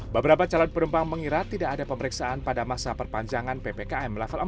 beberapa calon penumpang mengira tidak ada pemeriksaan pada masa perpanjangan ppkm level empat